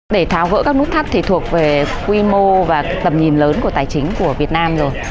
để tháo gỡ các nút thắt thì thuộc về quy mô và tầm nhìn lớn của tài chính của việt nam rồi